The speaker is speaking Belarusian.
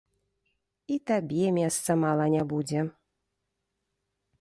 І табе месца мала не будзе.